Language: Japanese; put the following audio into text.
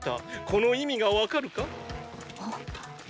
この意味がわかるか？